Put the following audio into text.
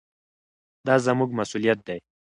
دا زموږ مسؤلیت دی.